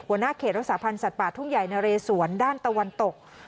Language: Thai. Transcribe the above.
หัวหน้าเขตรักษาพันธ์สัตว์ป่าทุ่งใหญ่นะเรสวนด้านตะวันตก